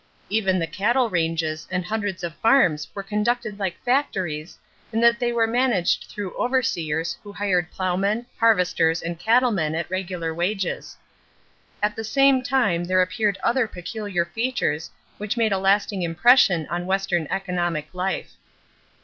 Even the cattle ranges and hundreds of farms were conducted like factories in that they were managed through overseers who hired plowmen, harvesters, and cattlemen at regular wages. At the same time there appeared other peculiar features which made a lasting impression on western economic life.